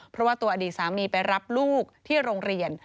เพราะว่าตัวอดีตสามีไปรับลูกที่โรงเรียน